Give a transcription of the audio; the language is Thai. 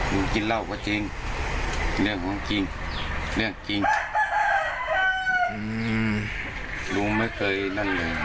กินเหล้าก็จริงเรื่องของจริงเรื่องจริงอืมลุงไม่เคยนั่นเลย